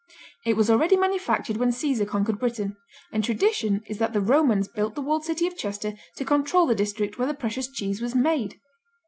It was already manufactured when Caesar conquered Britain, and tradition is that the Romans built the walled city of Chester to control the district where the precious cheese was made.